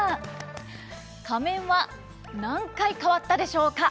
仮面は何回変わったでしょうか？